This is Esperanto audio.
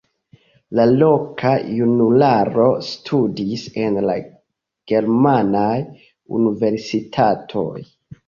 La loka junularo studis en la germanaj universitatoj.